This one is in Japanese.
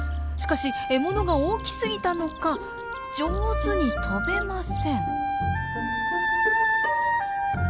しかし獲物が大きすぎたのか上手に飛べません。